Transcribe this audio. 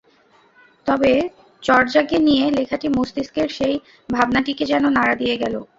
তবে চর্যাকে নিয়ে লেখাটি মস্তিষ্কের সেই ভাবনাটিকে যেন নাড়া দিয়ে গেল।